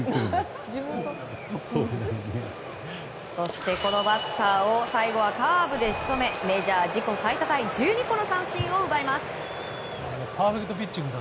そして、このバッターを最後はカーブで仕留めメジャー自己最多タイ１２個の三振を奪います。